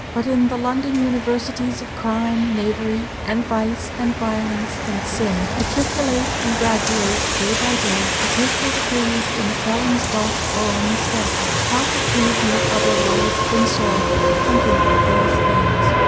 But in the London universities of crime, knavery, and vice, and violence, and sin matriculate and graduate day by day, to take their degrees in the felon's dock or on the scaffold. How could he be otherwise than sorrowful, thinking of these things?